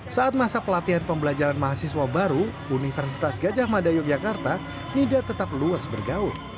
saat masa pelatihan pembelajaran mahasiswa baru universitas gajah mada yogyakarta nida tetap luas bergaul